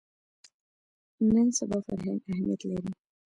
نن سبا فرهنګ اهمیت لري